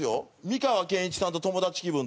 美川憲一さんと友達気分